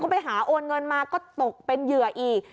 ไปหาโอนเงินมาก็ตกเป็นเหยื่ออีก